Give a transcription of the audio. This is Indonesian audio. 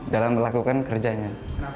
dalam melakukan kerjanya